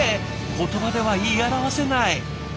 言葉では言い表せない。